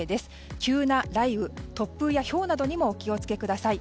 急な雷雨突風やひょうなどにもお気を付けください。